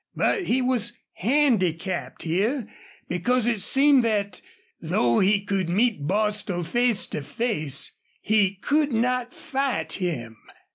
But he was handicapped here because it seemed that, though he could meet Bostil face to face, he could not fight him.